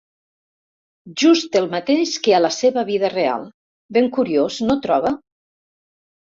Just el mateix que a la seva vida real; ben curiós, no troba?